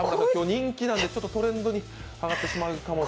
人気なんで、トレンドに上がってしまうかも。